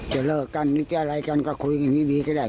จะเลิกกันหรือจะอะไรกันก็คุยกันดีก็ได้